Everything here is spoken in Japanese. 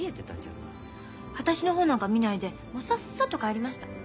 私の方なんか見ないでもうさっさと帰りました。